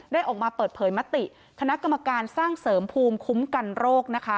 ออกมาเปิดเผยมติคณะกรรมการสร้างเสริมภูมิคุ้มกันโรคนะคะ